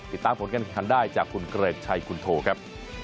ติดตามผลการแข่งขันได้จากคุณเกริกชัยคุณโทครับ